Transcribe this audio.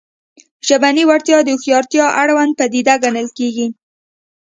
ژبنۍ وړتیا د هوښیارتیا اړونده پدیده ګڼل کېږي